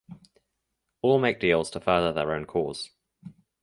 All make deals to further their own cause.